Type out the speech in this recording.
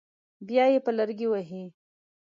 بیا یې په لرګي وهي.